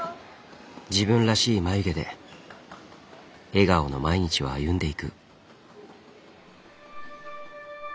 自分らしい眉毛で笑顔の毎日を歩んでいく。